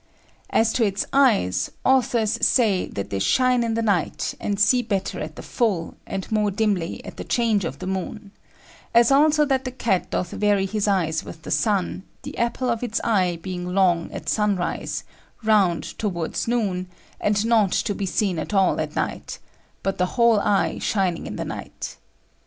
As to its Eyes, Authors say that they shine in the Night, and see better at the full, and more dimly at the change of the moon; as also that the Cat doth vary his Eyes with the Sun, the Apple of its Eye being long at Sun rise, round towards Noon, and not to be seen at all at night, but the whole Eye shining in the night.